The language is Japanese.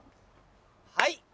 はい。